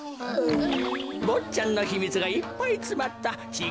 ぼっちゃんのひみつがいっぱいつまったちぃ